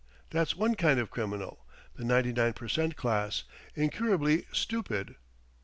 That's one kind of criminal the ninety nine per cent class incurably stupid!